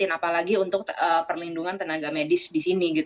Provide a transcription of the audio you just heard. apalagi untuk perlindungan tenaga medis di sini